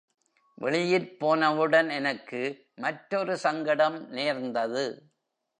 வெளியிற் போனவுடன் எனக்கு மற்றொரு சங்கடம் நேர்ந்தது.